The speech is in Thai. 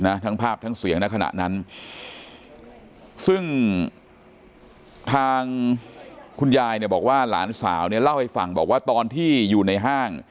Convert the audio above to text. ทั้งภาพทั้งเสียงในขณะนั้นซึ่งทางคุณยายเนี่ยบอกว่าหลานสาวเนี่ยเล่าให้ฟังบอกว่าตอนที่อยู่ในห้าง